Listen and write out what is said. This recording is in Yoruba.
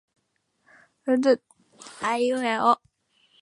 Àwọn aṣòfin Nàíjíríà buwọ́lu fífi èsì ìdìbò ránṣẹ lórí ayélujára.